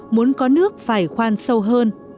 muốn có nước phải khoan sâu hơn